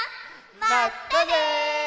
まったね！